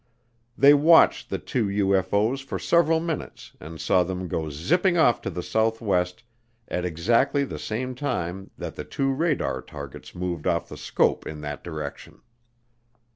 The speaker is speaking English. They watched the two UFO's for several minutes and saw them go zipping off to the southwest at exactly the same time that the two radar targets moved off the scope in that direction.